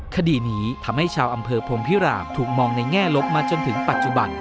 คดีนี้ทำให้ชาวอำเภอพรมพิรามถูกมองในแง่ลบมาจนถึงปัจจุบัน